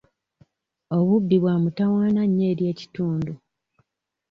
Obubbi bwamutawaana nnyo eri ekitundu.